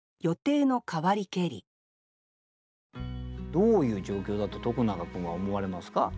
どういう状況だと徳永君は思われますか？